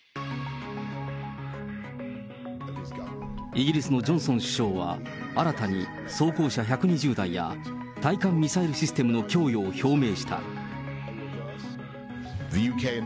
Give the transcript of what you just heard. イギリスのジョンソン首相は新たに装甲車１２０台や、対艦ミサイルシステムの供与を表明した。